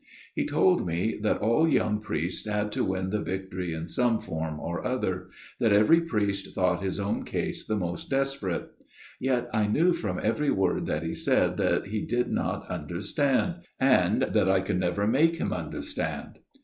He told me that all young priests had to win the victory in some form or other ; that every priest thought his own case the most desperate. ... Yet I knew from every word that he said that he did not under stand ; and that I could never make him under stand.